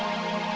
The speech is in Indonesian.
aku sudah lebih